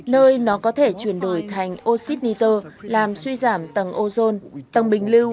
nơi nó có thể chuyển đổi thành oxy nitro làm suy giảm tầng ozone tầng bình lưu